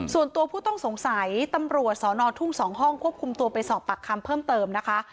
ส่วนตัวผู้ต้องสงสัยตำรวจสอนอทุ่ง๒ห้องควบคุมตัวไปสอบปากคำเพิ่มเติมนะคะ